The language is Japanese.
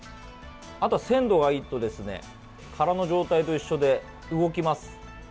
あと、鮮度がいいと殻の状態と一緒で動きます。